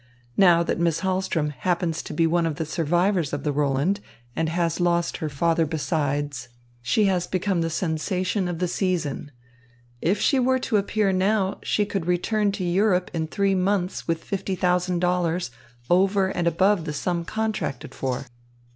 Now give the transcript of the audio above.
Now that Miss Hahlström happens to be one of the survivors of the Roland and has lost her father besides, she has become the sensation of the season. If she were to appear now, she could return to Europe in three months with fifty thousand dollars over and above the sum contracted for.